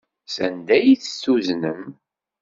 Sanda ay t-tuznem?